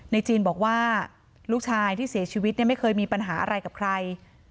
จีนบอกว่าลูกชายที่เสียชีวิตเนี่ยไม่เคยมีปัญหาอะไรกับใคร